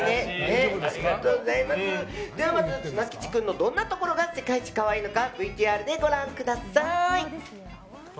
では、まずツナきち君のどんなところが世界一可愛いのかＶＴＲでご覧ください。